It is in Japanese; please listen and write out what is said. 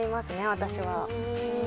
私は。